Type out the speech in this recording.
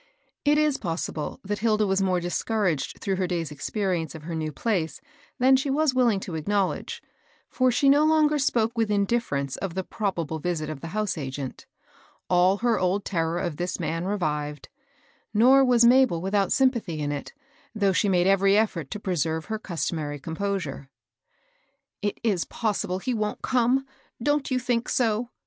It is possible that Hilda was more discouraged through her day's experience of her new place than she was willing to acknowledge ; for she no longer spoke with indifference of the probable visit of the house agent All her old terror of this man revived ; nor was Mabel vnthout sympathy in it, though she made every effort to preserve her cus tomary composure. " It is possible he wont come, — don't you think so